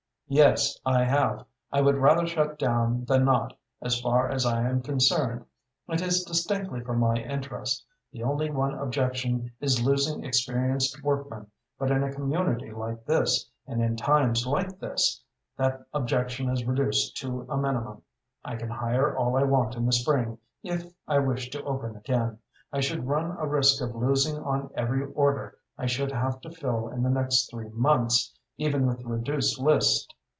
"Yes, I have. I would rather shut down than not, as far as I am concerned. It is distinctly for my interest. The only one objection is losing experienced workmen, but in a community like this, and in times like this, that objection is reduced to a minimum. I can hire all I want in the spring if I wish to open again. I should run a risk of losing on every order I should have to fill in the next three months, even with the reduced list.